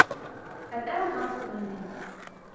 الآن عرفت أين هي.